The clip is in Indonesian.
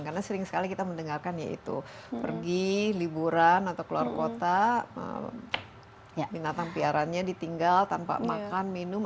karena sering sekali kita mendengarkan ya itu pergi liburan atau keluar kota binatang piarannya ditinggal tanpa makan minum